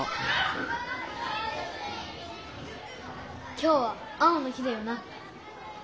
今日は青の日だよな！